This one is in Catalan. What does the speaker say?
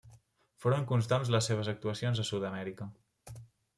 Foren constants les seves actuacions a Sud-amèrica.